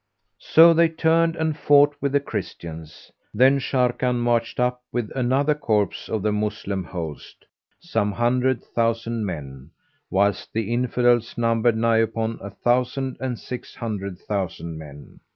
So they turned and fought with the Christians. Then Sharrkan marched up with another corps of the Moslem host, some hundred thousand men, whilst the Infidels numbered nigh upon a thousand and six hundred thousand men.